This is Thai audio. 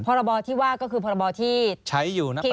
พรบที่ว่าก็คือพรบที่พี่ใช้อยู่นั่นแหละ